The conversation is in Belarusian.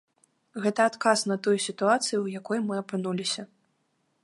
Гэта адказ на тую сітуацыю, у якой мы апынуліся.